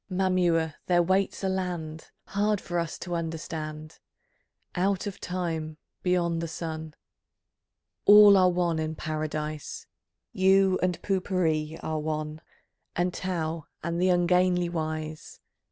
Mamua, there waits a land Hard for us to understand. Out of time, beyond the sun, All are one in Paradise, You and Pupure are one, And Taü, and the ungainly wise.